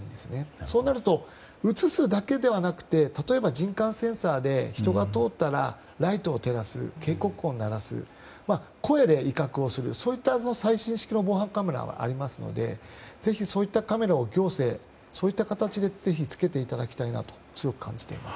そうなると映すだけではなくて例えば人感センサーでライトを照らす、警告音を鳴らす声で威嚇をするといった最新式の防犯カメラがあるのでぜひそういったカメラを行政つけていただきたいなと感じます。